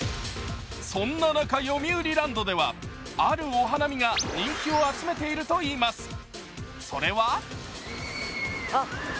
そんな中、よみうりランドではあるお花見が人気を集めているといいます。